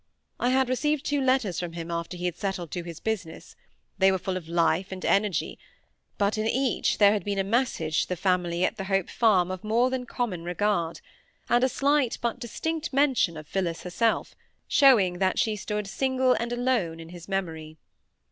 I had received two letters from him after he had settled to his business; they were full of life and energy; but in each there had been a message to the family at the Hope Farm of more than common regard; and a slight but distinct mention of Phillis herself, showing that she stood single and alone in his memory.